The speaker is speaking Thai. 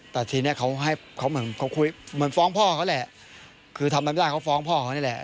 แต่ทีนี้เขาให้เขาเหมือนเขาคุยเหมือนฟ้องพ่อเขาแหละคือทำไม่ได้เขาฟ้องพ่อเขานี่แหละ